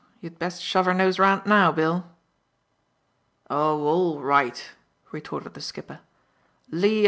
You'd best shove her nose round now, Bill." "Oh, all right!" retorted the skipper, "Lee O!